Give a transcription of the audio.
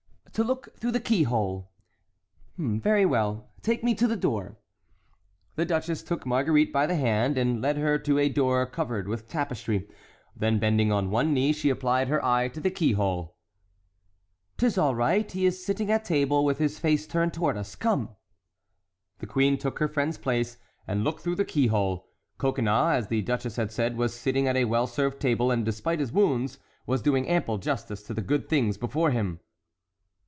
"To look through the keyhole." "Very well! take me to the door." The duchess took Marguerite by the hand and led her to a door covered with tapestry; then bending one knee, she applied her eye to the keyhole. "'Tis all right; he is sitting at table, with his face turned toward us; come!" The queen took her friend's place, and looked through the keyhole; Coconnas, as the duchess had said, was sitting at a well served table, and, despite his wounds, was doing ample justice to the good things before him.